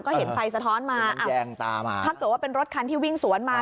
ก็เห็นไฟสะท้อนมาถ้าเป็นรถคันที่วิ่งสวนมา